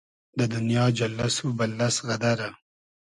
دۂ دونیا جئللئس و بئللئس غئدئرۂ